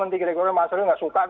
nanti kira kira mas arsul tidak suka